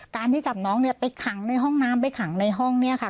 ที่จับน้องเนี่ยไปขังในห้องน้ำไปขังในห้องเนี่ยค่ะ